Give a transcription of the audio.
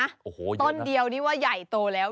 โอ้โหต้นเดียวนี่ว่าใหญ่โตแล้ว